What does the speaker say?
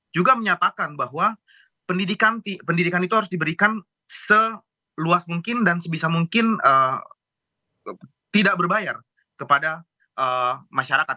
juga menyatakan bahwa pendidikan itu harus diberikan seluas mungkin dan sebisa mungkin tidak berbayar kepada masyarakat